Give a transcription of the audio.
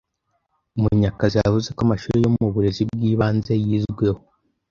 Munyakazi yavuze ko amashuri yo mu burezi bw’ibanze yizweho